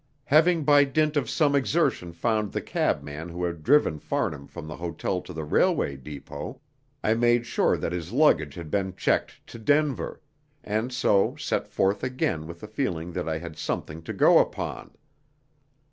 Having by dint of some exertion found the cabman who had driven Farnham from the hotel to the railway depot, I made sure that his luggage had been "checked" to Denver, and so set forth again with a feeling that I had something to go upon.